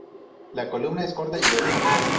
La columna es corta y gruesa.